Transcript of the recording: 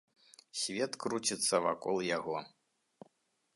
Свет круціцца вакол яго.